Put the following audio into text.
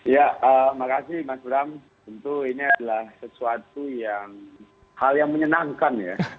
ya makasih mas bram tentu ini adalah sesuatu yang hal yang menyenangkan ya